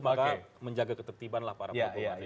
maka menjaga ketertiban lah para pemerintah